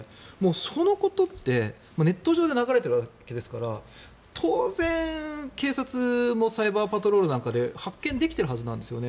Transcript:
そのことってネット上で流れているわけですから当然、警察もサイバーパトロールなんかで発見できているはずなんですよ。